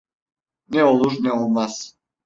Ne olur ne olmaz.